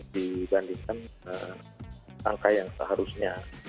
dibandingkan angka yang seharusnya